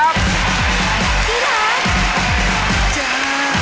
สวัสดีครับ